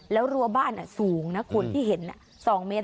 แล้วรัวบ้านสูงนะคุณที่เห็น๒เมตร